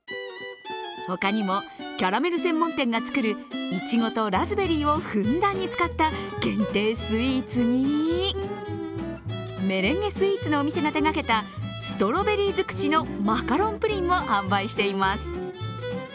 他にも、キャラメル専門店が作るいちごとラズベリーをふんだんに使った限定スイーツに、メレンゲスイーツのお店が手がけたストロベリー尽くしのマカロンプリンを販売しています。